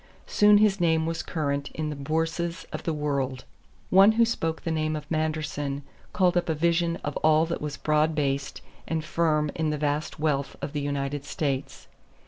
Soon his name was current in the bourses of the world. One who spoke the name of Manderson called up a vision of all that was broad based and firm in the vast wealth of the United States.